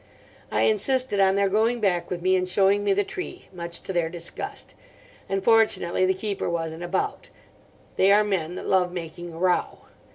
I insisted on their going back with me and showing me the tree, much to their disgust. And fortunately the keeper wasn't about—they are men that love making a row.